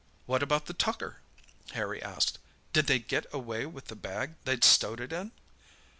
"What about the tucker?" Harry asked; "did they get away with the bag they'd stowed it in?"